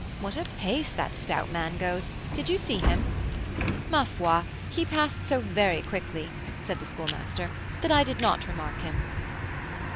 "What a pace that stout man goes! Did you see him?" "Ma foi! he passed so very quickly," said the Schoolmaster, "that I did not remark him."